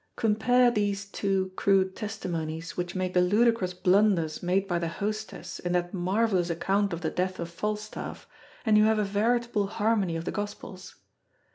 Compare these two crude testimonies, which make the ludicrous blunders made by the Hostess in that marvellous account of the death of Falstaff, and you have a veritable harmony of the Gospels.